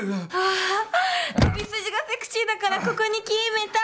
ああ首筋がセクシーだからここに決ーめた！